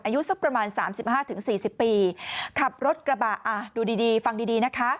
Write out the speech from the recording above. อายุสักประมาณ๓๕๔๐ปีขับรถกระบะดูดีฟังดีนะคะ